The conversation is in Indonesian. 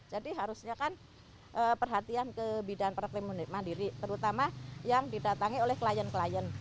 jadi harusnya kan perhatian ke bidan praktek mandiri terutama yang didatangi oleh klien klien